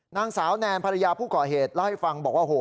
นางสาวแนนภรรยาผู้ก่อเหตุเล่าให้ฟังบอกว่าโอ้โห